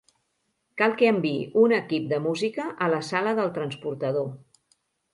Cal que enviï un equip de música a la sala del transportador.